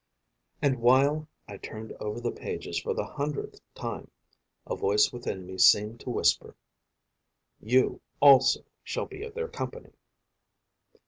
and, while I turned over the pages for the hundredth time, a voice within me seemed to whisper: 'You also shall be of their company!'